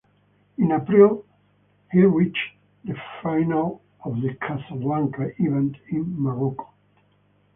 In April, he reached the final of the Casablanca event in Morocco.